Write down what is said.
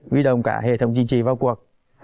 quy đồng cả hệ thống chính trị vào cuộc